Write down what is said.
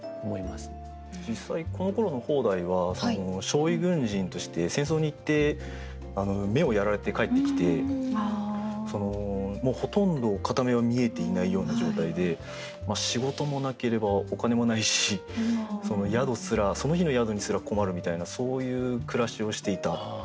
実際このころの方代は傷痍軍人として戦争に行って目をやられて帰ってきてもうほとんど片目は見えていないような状態で仕事もなければお金もないし宿すらその日の宿にすら困るみたいなそういう暮らしをしていた。